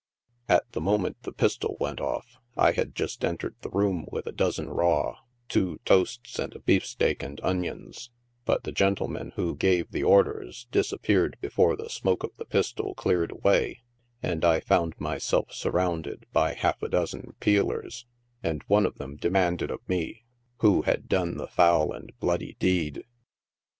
At the moment the pistol went off, I had just entered the room with a dozen raw, two toasts and a beefsteak and onions, but the gentlemen who gave the orders disap peared before the smoke of the pistol cleared away, and 1 found myself surrounded by half a dozen " Peelers," and one of them de manded of me, who had done the foul and bloody dead.